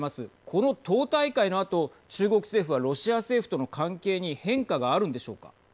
この党大会のあと、中国政府はロシア政府との関係に変化があるんでしょうか。